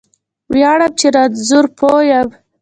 ویاړم چې رانځور پوه یم